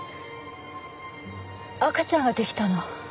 赤ちゃんができたの。